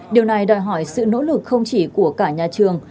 điều này đòi hỏi sự nỗ lực không chỉ của cả nhà trường